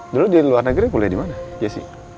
dulu di luar negeri kuliah dimana jessy